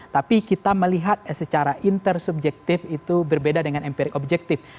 tapi kita melihat secara intersubjektif itu berbeda dengan empirik objektif